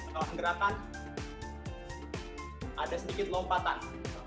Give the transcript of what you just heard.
kawan gerakan ada sedikit lompatan